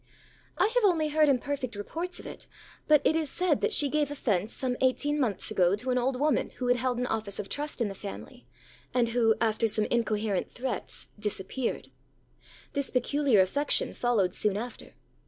ã ãI have only heard imperfect reports of it; but it is said that she gave offence some eighteen months ago to an old woman who had held an office of trust in the family, and who, after some incoherent threats, disappeared. This peculiar affection followed soon after.